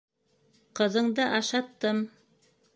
Ҡыҙынды ашаттым.